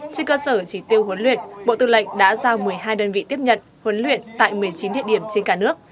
trên cơ sở chỉ tiêu huấn luyện bộ tư lệnh đã giao một mươi hai đơn vị tiếp nhận huấn luyện tại một mươi chín địa điểm trên cả nước